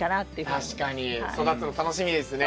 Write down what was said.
確かに育つの楽しみですね。